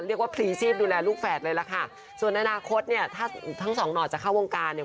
พลีชีพดูแลลูกแฝดเลยล่ะค่ะส่วนในอนาคตเนี่ยถ้าทั้งสองหน่อจะเข้าวงการเนี่ย